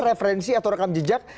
referensi atau rekam jejak